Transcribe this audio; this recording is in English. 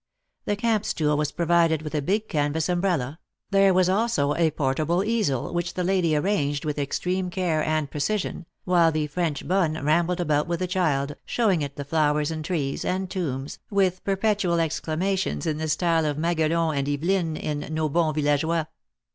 The camp stool was provided with a big canvas umbrella ; there was also a portable easel, which the lady arranged with extreme care and precision, while the French bonne rambled about with the child, showing it the flowers and trees and tombs, with perpetual exclamations in the style of Maguelon and Tveline, m Nos Bons Villageois.